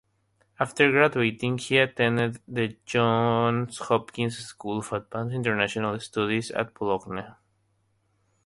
After graduating, he attended the Johns Hopkins School of Advanced International Studies at Bologna.